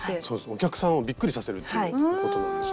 お客さんをびっくりさせるということなんですね。